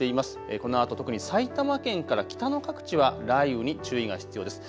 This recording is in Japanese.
このあと特に埼玉県から北の各地は雷雨に注意が必要です。